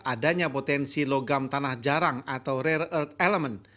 adanya potensi logam tanah jarang atau rare earth elemen